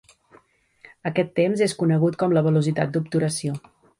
Aquest temps és conegut com la velocitat d'obturació.